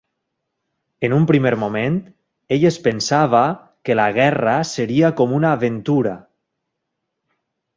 En un primer moment, ell es pensava que la guerra seria com una aventura.